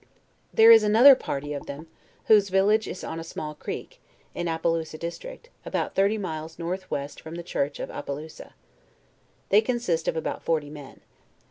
There is another party of them, whose village is on a small creek, in A ppelousa district, about thirty miles north west from the church of A ppelousa. They consist of about forty men.